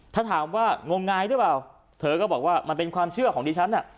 ถ้าถามว่างมงายหรือเปล่าเธอก็บอกว่ามันเป็นความเชื่อของดิฉันน่ะ